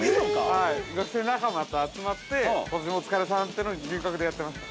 学生仲間と集まって、お疲れさんというのを牛角でやってました。